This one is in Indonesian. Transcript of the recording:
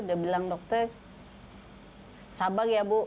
dia bilang dokter sabar ya bu